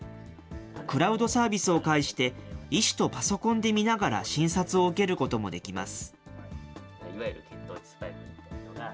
クラウドサービスを介して、医師とパソコンで見ながら診察を受けることもできます。